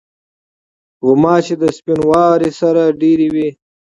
غوماشې د سپینواري سره ډېری وي.